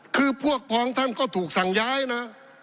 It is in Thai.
คือพวกพองท่านก็ถูกสั่งย้ายนะ